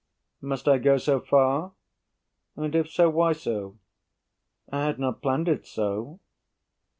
Must I go so far? And if so, why so? I had not planned it so.